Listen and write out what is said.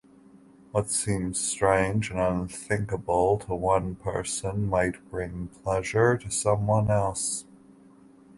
What seems strange and unthinkable to one person might bring pleasure to someone else.